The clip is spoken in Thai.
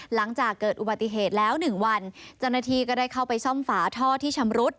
หลังจากเกิดอุบัติเหตุแล้วหนึ่งวันเจ้าหน้าที่ก็ได้เข้าไปซ่อมฝาท่อที่ชำรุด